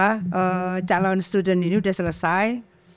program student ini sudah selesai